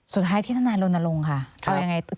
สุดท้ายที่ทนายรณรงค์ค่ะเอายังไง